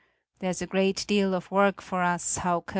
There's a great deal of work for us, Hauke!